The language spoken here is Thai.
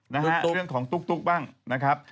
เรื่องของตุ๊กบ้างนะครับ